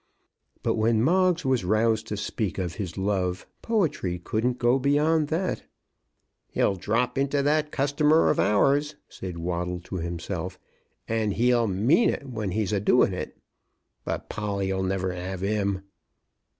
But when Moggs was roused to speak of his love, poetry couldn't go beyond that. "He'll drop into that customer of ours," said Waddle to himself, "and he'll mean it when he's a doing of it. But Polly 'll never 'ave 'im."